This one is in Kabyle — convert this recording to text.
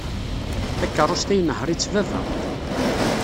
Takeṛṛust-a inehheṛ-itt baba.